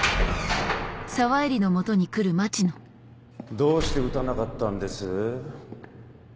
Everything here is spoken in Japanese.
どうして撃たなかったんです？